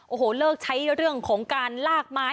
โอ้โหเลิกใช้เรื่องของการลากไม้